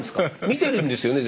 見てるんですよね？